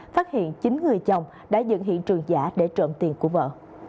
phát hiện chín người chồng đã dựng hiện trường giả để trộm tiền của vợ